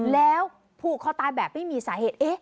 แล้วผูกคอตายแบบไม่มีสาเหตุ